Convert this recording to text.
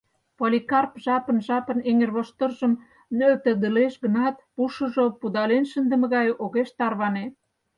Поликар жапын-жапын эҥырвоштыржым нӧлтедылеш гынат, пушыжо пудален шындыме гай, огеш тарване.